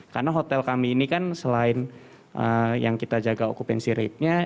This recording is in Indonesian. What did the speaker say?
karena hotel kami ini kan selain yang kita jaga okupansi ratenya